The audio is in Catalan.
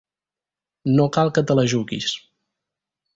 No cal que te la juguis.